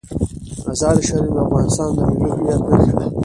مزارشریف د افغانستان د ملي هویت نښه ده.